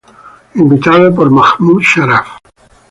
Invitado por Mahmoud Sharaf.